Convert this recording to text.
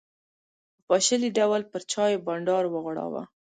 په پاشلي ډول پر چایو بانډار وغوړاوه.